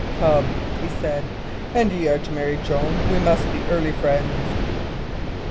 "Come," he said, "an y' are to marry Joan, we must be early friends."